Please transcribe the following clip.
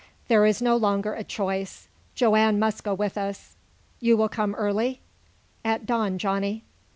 "There is no longer a choice. Joanne must go with us. You will come early?" "At dawn, Johnny."